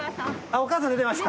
お母さん、出てました？